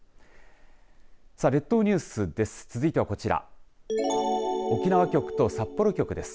さあ、列島ニュースです。